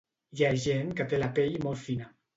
Hi ha gent que té la pell molt fina